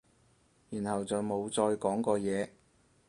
然後就冇再講過嘢